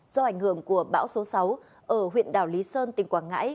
do ảnh hưởng của bão số sáu ở huyện đảo lý sơn tỉnh quảng ngãi